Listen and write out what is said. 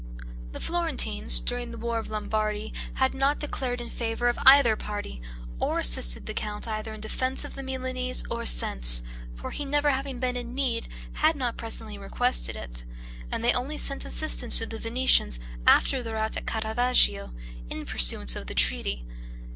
The Florentines during the war of Lombardy had not declared in favor of either party, or assisted the count either in defense of the Milanese or since; for he never having been in need had not pressingly requested it; and they only sent assistance to the Venetians after the rout at Caravaggio, in pursuance of the treaty.